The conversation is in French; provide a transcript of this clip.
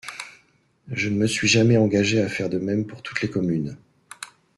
Je ne me suis jamais engagé à faire de même pour toutes les communes.